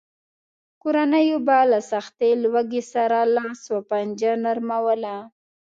کورنیو به له سختې لوږې سره لاس و پنجه نرموله.